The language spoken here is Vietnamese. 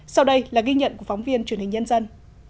sau đây là ghi nhận của phóng viên truyền hình nhân dân